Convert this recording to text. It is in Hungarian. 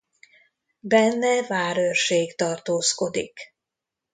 Benne várőrség tartózkodik.